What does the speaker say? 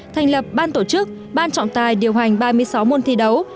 thành lập ban tổ chức ban trọng tài điều hành ba mươi sáu môn thi đấu